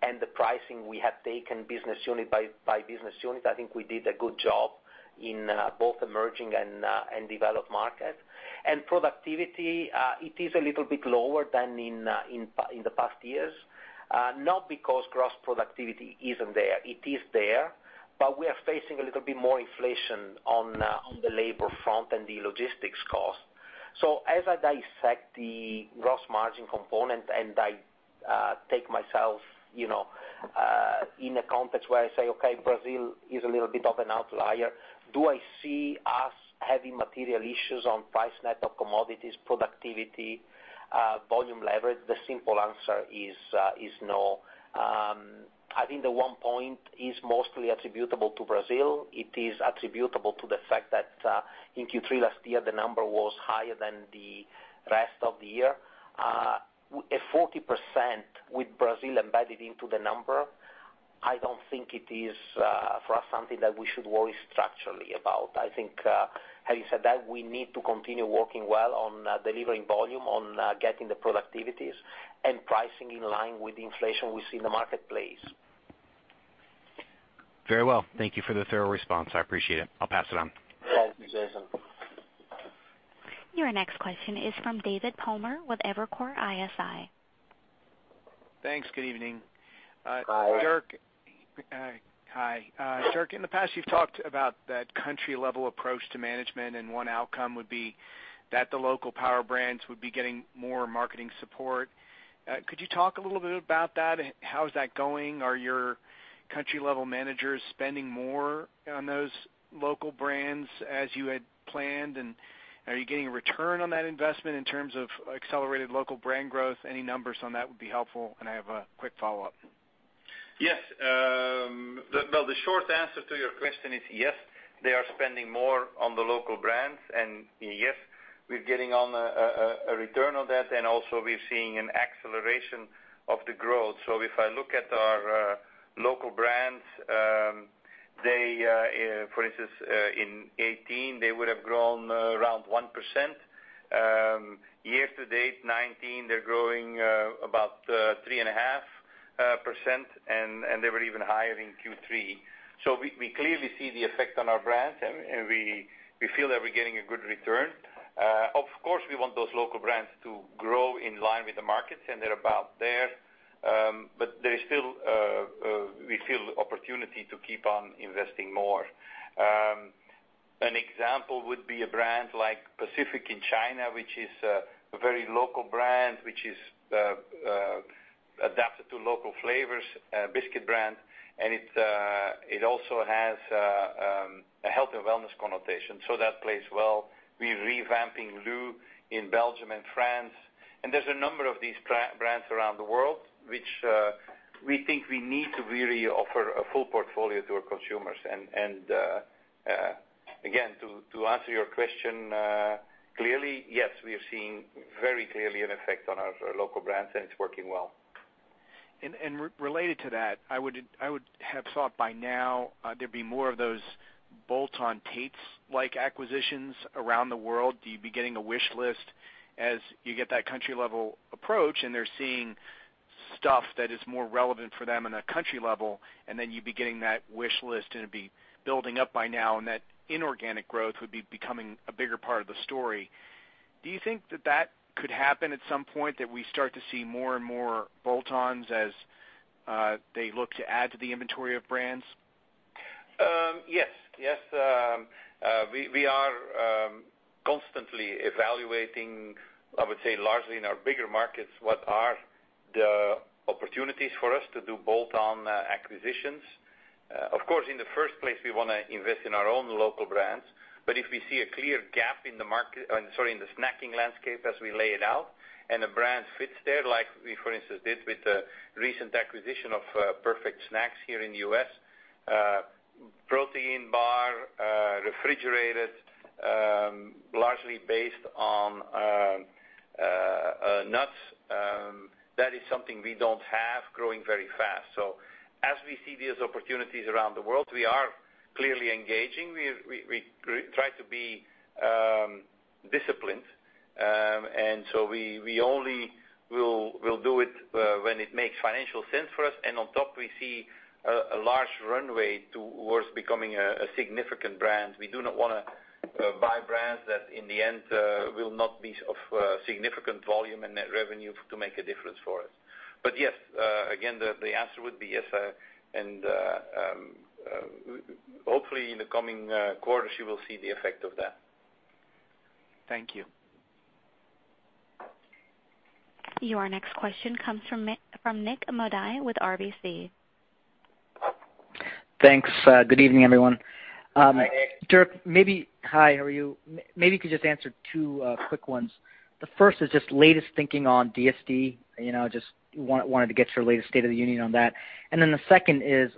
and the pricing we have taken business unit by business unit, I think we did a good job in both emerging and developed markets. Productivity, it is a little bit lower than in the past years. Not because gross productivity isn't there. It is there, we are facing a little bit more inflation on the labor front and the logistics cost. As I dissect the gross margin component and I take myself in a context where I say, okay, Brazil is a little bit of an outlier. Do I see us having material issues on price net of commodities, productivity, volume leverage? The simple answer is no. I think the one point is mostly attributable to Brazil. It is attributable to the fact that in Q3 last year, the number was higher than the rest of the year. At 40% with Brazil embedded into the number, I don't think it is for us something that we should worry structurally about. I think having said that, we need to continue working well on delivering volume, on getting the productivities and pricing in line with the inflation we see in the marketplace. Very well. Thank you for the thorough response. I appreciate it. I'll pass it on. Thank you, Jason. Your next question is from David Palmer with Evercore ISI. Thanks. Good evening. Hi. Dirk. Hi. Dirk, in the past, you've talked about that country-level approach to management, and one outcome would be that the local power brands would be getting more marketing support. Could you talk a little bit about that? How is that going? Are your country-level managers spending more on those local brands as you had planned? Are you getting a return on that investment in terms of accelerated local brand growth? Any numbers on that would be helpful. I have a quick follow-up. Yes. The short answer to your question is yes, they are spending more on the local brands, and yes, we're getting on a return on that, and also we're seeing an acceleration of the growth. If I look at our local brands, for instance, in 2018, they would have grown around 1%. Year to date 2019, they're growing about 3.5%, and they were even higher in Q3. We clearly see the effect on our brands, and we feel that we're getting a good return. Of course, we want those local brands to grow in line with the markets, and they're about there. There is still, we feel, opportunity to keep on investing more. An example would be a brand like Pacific in China, which is a very local brand, which is adapted to local flavors, a biscuit brand, and it also has a health and wellness connotation. That plays well. We're revamping LU in Belgium and France. There's a number of these brands around the world, which we think we need to really offer a full portfolio to our consumers. Again, to answer your question clearly, yes, we are seeing very clearly an effect on our local brands, and it's working well. Related to that, I would have thought by now there'd be more of those bolt-on Tate's-like acquisitions around the world. Do you be getting a wish list as you get that country level approach, and they're seeing stuff that is more relevant for them on a country level, and then you'd be getting that wish list, and it'd be building up by now, and that inorganic growth would be becoming a bigger part of the story. Do you think that that could happen at some point, that we start to see more and more bolt-ons as they look to add to the inventory of brands? Yes. We are constantly evaluating, I would say largely in our bigger markets, what are the opportunities for us to do bolt-on acquisitions. Of course, in the first place, we want to invest in our own local brands, but if we see a clear gap in the snacking landscape as we lay it out, and a brand fits there, like we, for instance, did with the recent acquisition of Perfect Snacks here in the U.S. Protein bar, refrigerated, largely based on nuts. That is something we don't have growing very fast. As we see these opportunities around the world, we are clearly engaging. We try to be disciplined. We only will do it when it makes financial sense for us, and on top, we see a large runway towards becoming a significant brand. We do not want to buy brands that in the end will not be of significant volume and net revenue to make a difference for us. Yes, again, the answer would be yes. Hopefully, in the coming quarters, you will see the effect of that. Thank you. Your next question comes from Nik Modi with RBC. Thanks. Good evening, everyone. Hi, Nik. Dirk, hi, how are you? Maybe you could just answer two quick ones. The first is just the latest thinking on DSD. Just wanted to get your latest state of the union on that. The second is,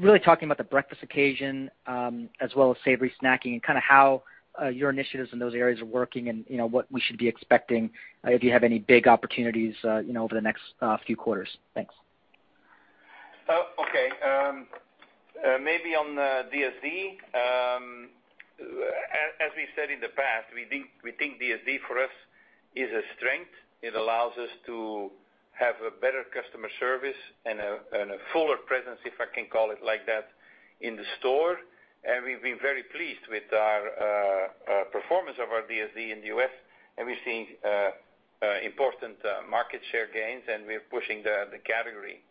really talking about the breakfast occasion, as well as savory snacking and how your initiatives in those areas are working and what we should be expecting, if you have any big opportunities, over the next few quarters. Thanks. Okay. Maybe on DSD, as we said in the past, we think DSD for us is a strength. It allows us to have a better customer service and a fuller presence, if I can call it like that, in the store. We've been very pleased with our performance of our DSD in the U.S., and we're seeing important market share gains, and we're pushing the category.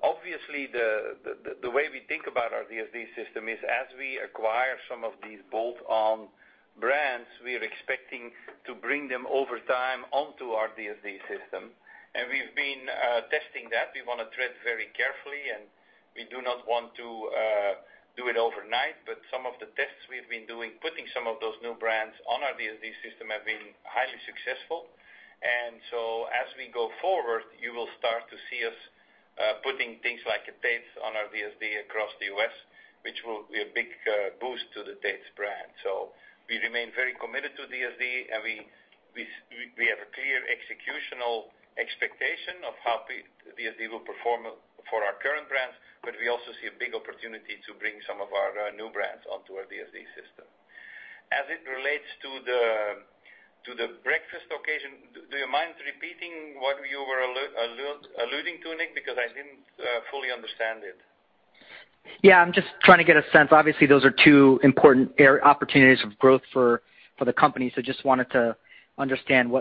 Obviously, the way we think about our DSD system is as we acquire some of these bolt-on brands, we are expecting to bring them over time onto our DSD system. We've been testing that. We want to tread very carefully, and we do not want to do it overnight. Some of the tests we've been doing, putting some of those new brands on our DSD system have been highly successful. As we go forward, you will start to see us putting things like a Tate's on our DSD across the U.S., which will be a big boost to the Tate's brand. We remain very committed to DSD, and we have a clear executional expectation of how DSD will perform for our current brands, but we also see a big opportunity to bring some of our new brands onto our DSD system. As it relates to the breakfast occasion, do you mind repeating what you were alluding to, Nik? Because I didn't fully understand it. Yeah, I'm just trying to get a sense. Obviously, those are two important opportunities of growth for the company, so just wanted to understand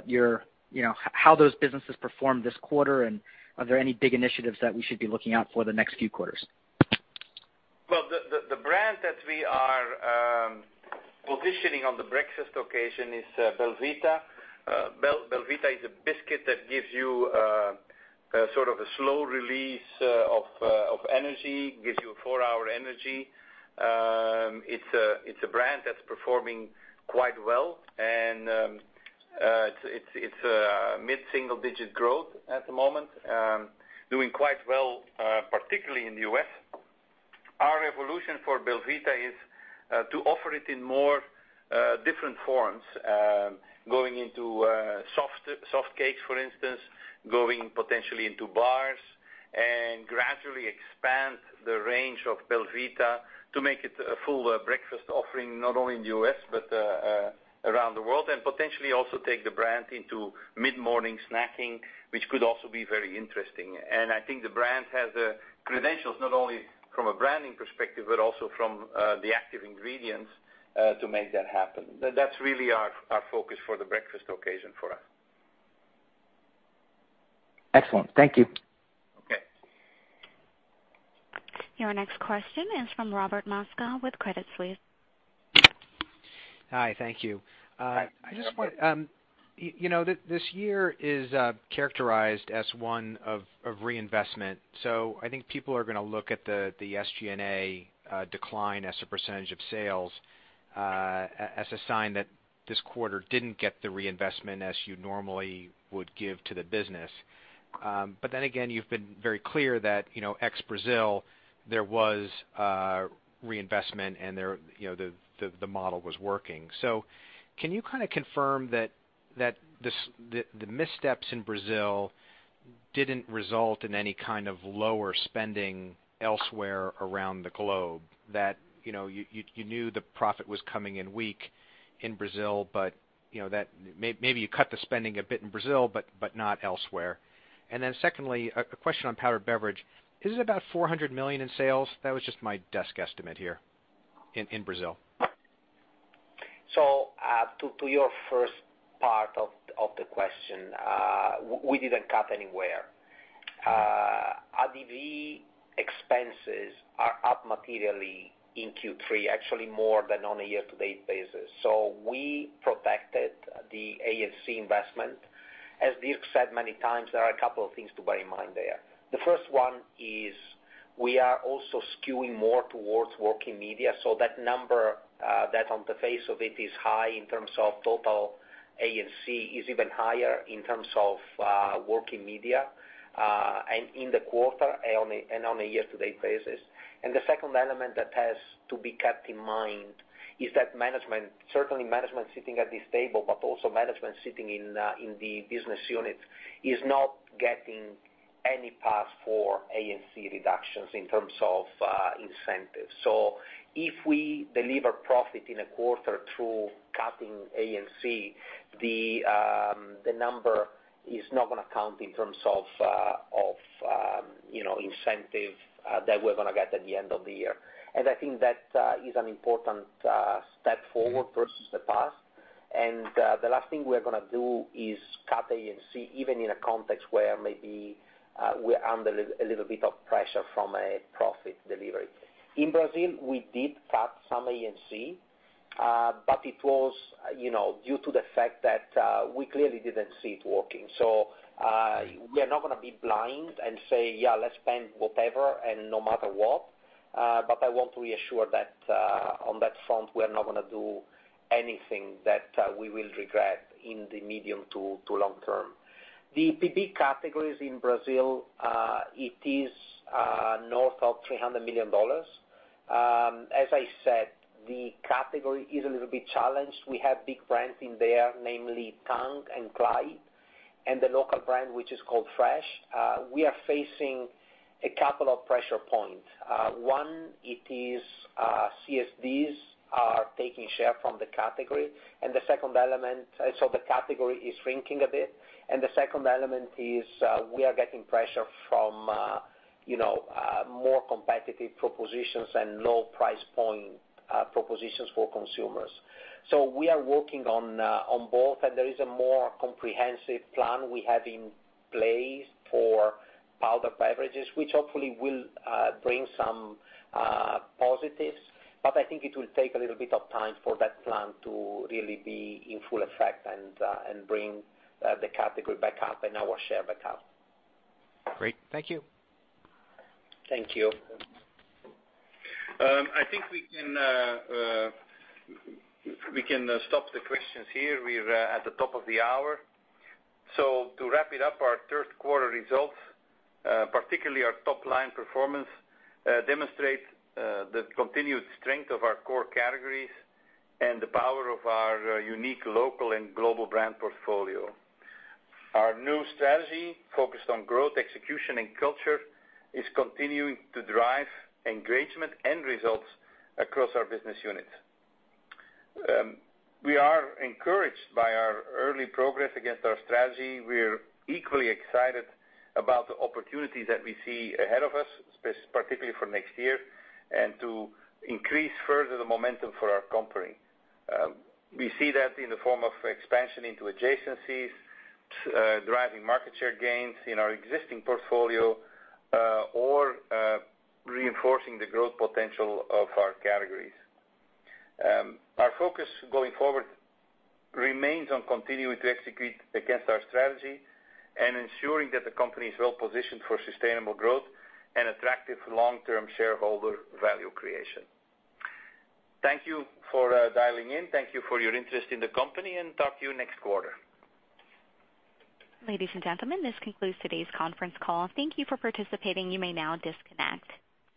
how those businesses performed this quarter, and are there any big initiatives that we should be looking out for the next few quarters? Well, the brand that we are positioning on the breakfast occasion is belVita. belVita is a biscuit that gives you a slow release of energy, gives you a four-hour energy. It's a brand that's performing quite well, and it's a mid-single digit growth at the moment, doing quite well particularly in the U.S. Our evolution for belVita is to offer it in more different forms, going into softcakes, for instance, going potentially into bars, and gradually expand the range of belVita to make it a full breakfast offering, not only in the U.S., but around the world. Potentially also take the brand into mid-morning snacking, which could also be very interesting. I think the brand has credentials, not only from a branding perspective, but also from the active ingredients, to make that happen. That's really our focus for the breakfast occasion for us. Excellent. Thank you. Okay. Your next question is from Robert Moskow with Credit Suisse. Hi, thank you. Hi, Robert. This year is characterized as one of reinvestment. I think people are going to look at the SG&A decline as a % of sales as a sign that this quarter didn't get the reinvestment as you normally would give to the business. You've been very clear that ex Brazil, there was reinvestment and the model was working. Can you kind of confirm that the missteps in Brazil didn't result in any kind of lower spending elsewhere around the globe? That you knew the profit was coming in weak in Brazil, but maybe you cut the spending a bit in Brazil, but not elsewhere. Secondly, a question on powdered beverage. Is it about $400 million in sales? That was just my desk estimate here in Brazil. To your first part of the question, we didn't cut anywhere. Our A&C expenses are up materially in Q3, actually more than on a year to date basis. We protected the A&C investment. As Dirk said many times, there are a couple of things to bear in mind there. The first one is we are also skewing more towards working media, so that number, that on the face of it is high in terms of total A&C, is even higher in terms of working media, and in the quarter and on a year to date basis. The second element that has to be kept in mind is that management, certainly management sitting at this table, but also management sitting in the business unit, is not getting any pass for A&C reductions in terms of incentives. If we deliver profit in a quarter through cutting A&C, the number is not going to count in terms of incentive that we're going to get at the end of the year. I think that is an important step forward versus the past. The last thing we're going to do is cut A&C, even in a context where maybe we're under a little bit of pressure from a profit delivery. In Brazil, we did cut some A&C. It was due to the fact that we clearly didn't see it working. We are not going to be blind and say, yeah, let's spend whatever and no matter what. I want to reassure that on that front, we are not going to do anything that we will regret in the medium to long term. The PB categories in Brazil, it is north of $300 million. As I said, the category is a little bit challenged. We have big brands in there, namely Tang and Clight, and the local brand, which is called Frisco. We are facing a couple of pressure points. One, it is CSDs are taking share from the category. The category is shrinking a bit. The second element is we are getting pressure from more competitive propositions and low price point propositions for consumers. We are working on both, and there is a more comprehensive plan we have in place for powder beverages, which hopefully will bring some positives. I think it will take a little bit of time for that plan to really be in full effect and bring the category back up and our share back up. Great. Thank you. Thank you. I think we can stop the questions here. We're at the top of the hour. To wrap it up, our third quarter results, particularly our top-line performance, demonstrate the continued strength of our core categories and the power of our unique local and global brand portfolio. Our new strategy, focused on growth, execution, and culture, is continuing to drive engagement and results across our business units. We are encouraged by our early progress against our strategy. We're equally excited about the opportunities that we see ahead of us, particularly for next year, and to increase further the momentum for our company. We see that in the form of expansion into adjacencies, driving market share gains in our existing portfolio, or reinforcing the growth potential of our categories. Our focus going forward remains on continuing to execute against our strategy and ensuring that the company is well-positioned for sustainable growth and attractive long-term shareholder value creation. Thank you for dialing in. Thank you for your interest in the company, and talk to you next quarter. Ladies and gentlemen, this concludes today's conference call. Thank you for participating. You may now disconnect.